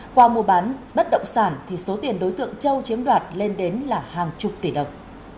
qua mua bán bất động sản thì số tiền đối tượng châu chiếm đoạt lên đến là hàng chục tỷ đồng